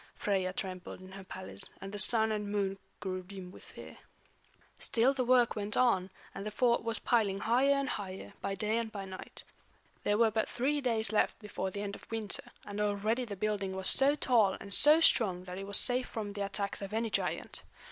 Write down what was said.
Freia trembled in her palace, and the Sun and Moon grew dim with fear. Still the work went on, and the fort was piling higher and higher, by day and by night. There were but three days left before the end of winter, and already the building was so tall and so strong that it was safe from the attacks of any giant.